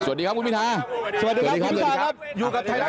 สวัสดีครับคุณมิทรา